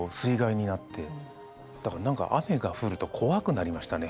だから何か雨が降ると怖くなりましたね。